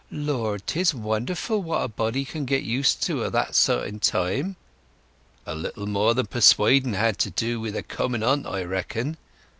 "Lord, 'tis wonderful what a body can get used to o' that sort in time!" "A little more than persuading had to do wi' the coming o't, I reckon.